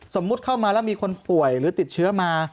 สมมุติเข้ามาแล้วมีคนป่วยหรือติดเชื้อมา